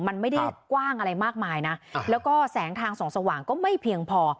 มันไม่ได้กว้างอะไรมากมายนะแล้วก็แสงทางส่องสว่างก็ไม่เพียงพอ